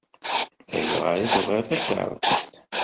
Ayɣer i tebɣiḍ takeṛṛust?